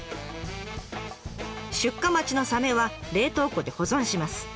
出荷待ちのサメは冷凍庫で保存します。